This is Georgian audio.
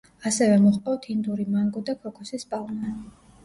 ასევე მოჰყავთ ინდური მანგო და ქოქოსის პალმა.